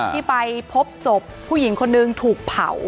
ที่ไปพบศพผู้หญิงคนนึงถูกเผา